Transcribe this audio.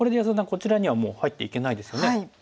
こちらにはもう入っていけないですよね。